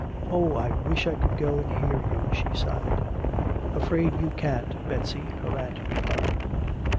"Oh, I wish I could go and hear you!" she sighed. "Afraid you can't, Betsy," her aunt replied.